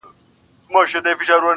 • ما له یوې هم یوه ښه خاطره و نه لیده_